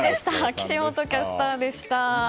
岸本キャスターでした。